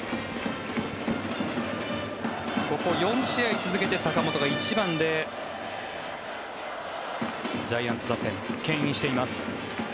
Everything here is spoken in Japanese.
ここ４試合続けて坂本が１番でジャイアンツ打線けん引しています。